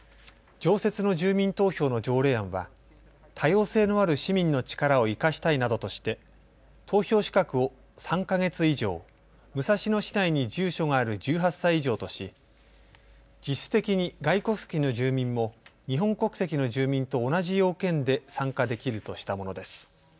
常設の住民投票の条例案は多様性のある市民の力を生かしたいなどとして投票資格を３か月以上、武蔵野市内に住所がある１８歳以上とし実質的に外国籍の住民も日本国籍の住民と同じ要件で参加できるとしたものです。